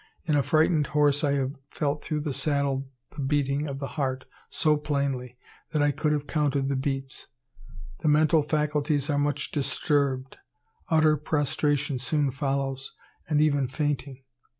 In a frightened horse I have felt through the saddle the beating of the heart so plainly that I could have counted the beats. The mental faculties are much disturbed. Utter prostration soon follows, and even fainting.